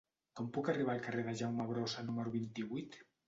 Com puc arribar al carrer de Jaume Brossa número vint-i-vuit?